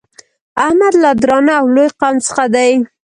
احمد له درانه او لوی قوم څخه دی.